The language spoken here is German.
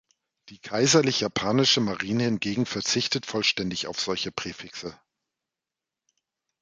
Die Kaiserlich Japanische Marine hingegen verzichtet vollständig auf solche Präfixe.